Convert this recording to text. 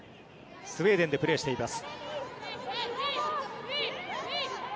スウェーデンでプレーしています。